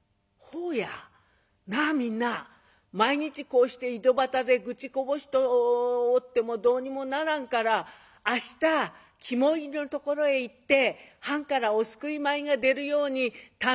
「ほうや！なあみんな毎日こうして井戸端で愚痴こぼしとってもどうにもならんから明日肝煎りのところへ行って藩からお救い米が出るように頼んでもろたらどうやろな」。